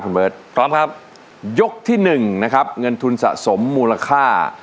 คุณเบิร์ตพร้อมครับยกที่หนึ่งนะครับเงินทุนสะสมมูลค่า